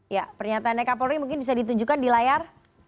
ya pernyataannya kapolri mungkin bisa ditunjukkan di layar